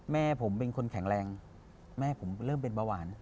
แม่ผมเป็นคนแข็งแรงแม่ผมเริ่มเป็นเบาหวาน